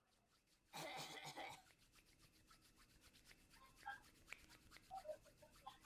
সাদা এবং ক্রিম থেকে গাঢ়-বাদামী বিভিন্ন রঙের বিচিত্র রূপ হলের একটি অনন্য সুন্দর অভ্যন্তর তৈরি করে।